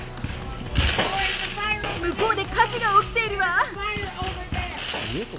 向こうで火事が起きているわ！